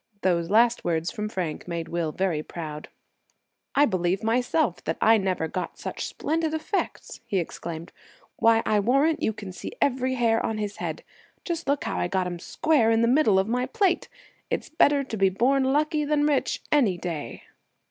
Those last words from Frank made Will very proud. "I believe myself that I never got such splendid effects!" he exclaimed. "Why, I warrant you can see every hair on his head. Just look how I got him square in the middle of my plate! It's better to be born lucky than rich, any day."